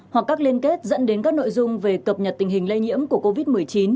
hoặc các liên kết dẫn đến các nội dung về cập nhật tình hình lây nhiễm của covid một mươi chín